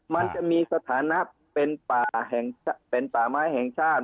มันจะมีสถานะเป็นป่าไม้แห่งชาติ